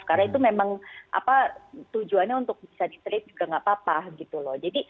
karena itu memang tujuannya untuk bisa di trade juga nggak apa apa gitu loh